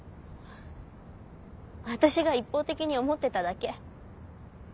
私が一方的に思ってただけ。